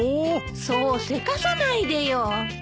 そうせかさないでよ。